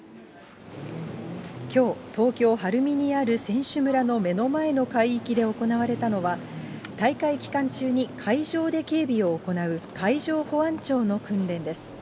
きょう、東京・晴海にある選手村の目の前の海域で行われたのは、大会期間中に海上で警備を行う海上保安庁の訓練です。